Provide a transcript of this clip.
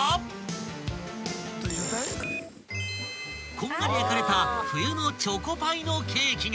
［こんがり焼かれた冬のチョコパイのケーキが］